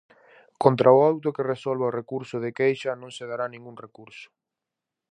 Contra o auto que resolva o recurso de queixa non se dará ningún recurso.